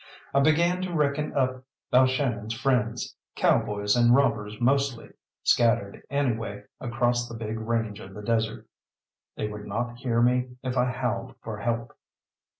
I began to reckon up Balshannon's friends, cowboys and robbers mostly, scattered anyway across the big range of the desert. They would not hear me if I howled for help.